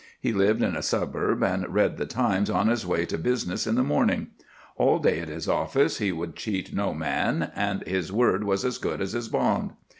He lived in a suburb and read the Times on his way to business in the morning. All day at his office he would cheat no man, and his word was as good as his bond.